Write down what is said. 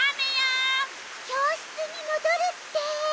きょうしつにもどるって。